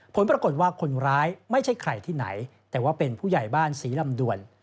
ผลปรากฏว่าคนร้ายไม่ใช่ใครที่ไหนแต่ว่าเป็นผู้ใหญ่บ้านศรีลำดวน